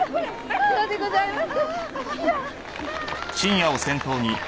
あちらでございます。